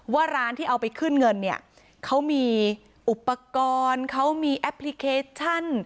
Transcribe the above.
ว่าร้านที่เอาไปขึ้นเงินเนี่ยเขามีอุปกรณ์เขามีแอปพลิเคชัน